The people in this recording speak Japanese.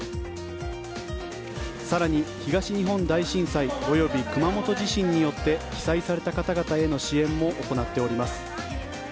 更に、東日本大震災及び熊本地震によって被災された方々への支援も行っております。